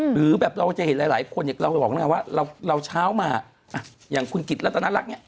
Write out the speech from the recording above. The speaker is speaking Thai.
หรือแบบเราจะเห็นหลายคนอยากจะบอกว่าเราเช้ามาอย่างคุณกิจรัตนารักเนี่ย